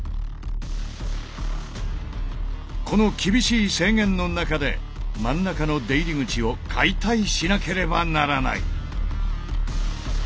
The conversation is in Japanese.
この厳しい制限の中で真ん中の出入り口を解体しなければならない。